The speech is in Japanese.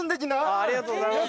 ありがとうございます。